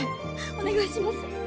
お願いします。